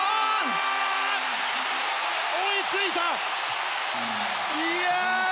追いついた！